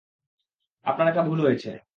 আপনার একটা ভুল হয়েছে।